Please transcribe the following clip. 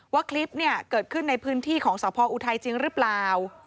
ว่าคลิปเนี่ยเกิดขึ้นในพื้นที่ของสพออุทัยจริงหรือเปล่า